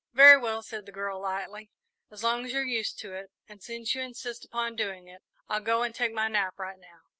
"Very well," said the girl, lightly; "as long as you're used to it, and since you insist upon doing it, I'll go and take my nap right now."